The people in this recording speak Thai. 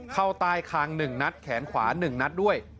เข้าใต้คางหนึ่งนัดแขนขวาหนึ่งนัดด้วย